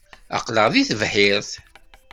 Aql-aɣ deg tebḥirt.